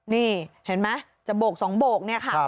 นี่เห็นไหมจะบวก๒๒นี่ค่ะ